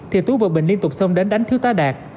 thì tú và bình liên tục xông đến đánh thiếu tá đạt